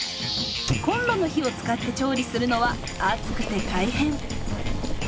コンロの火を使って調理するのは暑くて大変。